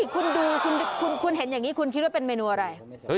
คุณดูคุณเห็นอย่างนี้คุณคิดว่าเป็นเมนูอะไร